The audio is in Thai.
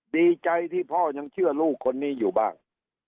ดีใจที่พ่อยังเชื่อลูกคนนี้อยู่บ้าง